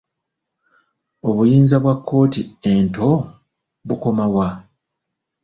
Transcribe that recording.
Obuyinza bwa kkooti ento bukoma wa?